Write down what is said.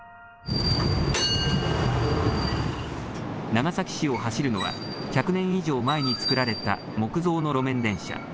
長崎市を走るのは１００年以上前に作られた木造の路面電車。